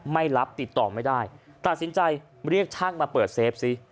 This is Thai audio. ไม่รับติดต่อไม่ได้ตัดสินใจเรียกช่างมาเปิดเซฟซิ